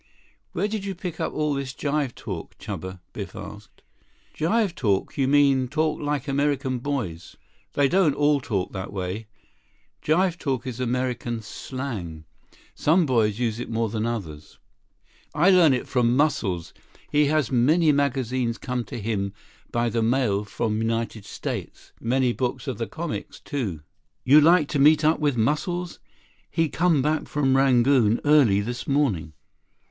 "Where did you pick up all this jive talk, Chuba?" Biff asked. "Jive talk? You mean talk like American boys?" "They don't all talk that way. Jive talk is American slang. Some boys use it more than others." "I learn it from Muscles. He has many magazines come to him by the mail from United States. Many books of the comics, too. You like to meet up with Muscles? He come back from Rangoon early this morning."